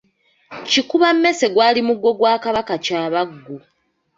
Kikuba mmese gwali muggo gwa Kabaka Kyabaggu.